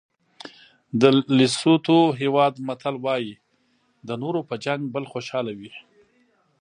د لېسوتو هېواد متل وایي د نورو په جنګ بل خوشحاله وي.